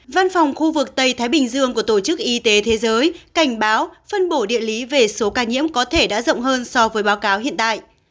văn phòng khu vực tây thái bình dương của tổ chức y tế thế giới cảnh báo phân bổ địa lý về số ca nhiễm có thể đã rộng hơn so với báo cáo hiện tại